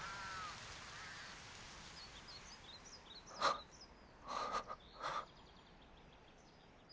はっああ。